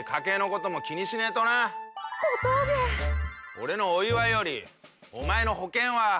俺のお祝いよりお前の保険は？